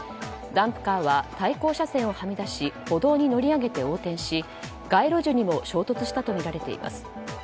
ダンプカーは対向車線をはみ出し歩道に乗り上げて横転し街路樹にも衝突したとみられています。